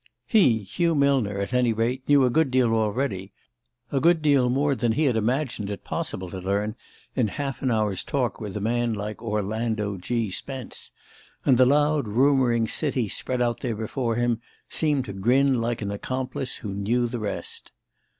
He, Hugh Millner, at any rate, knew a good deal already: a good deal more than he had imagined it possible to learn in half an hour's talk with a man like Orlando G. Spence; and the loud rumouring city spread out there before him seemed to grin like an accomplice who knew the rest.